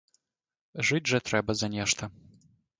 Жыць жа трэба за нешта.